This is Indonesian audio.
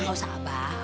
nggak usah abah